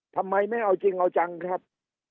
ทำไมไม่เอาจริงเอาจังครับ